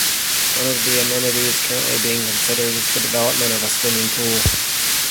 One of the amenities currently being considered is the development of a swimming pool.